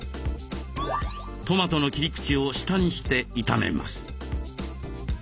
トマトの切り口を下にして炒めます。